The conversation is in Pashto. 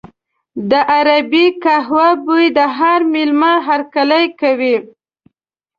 د عربي قهوې بوی د هر مېلمه هرکلی کوي.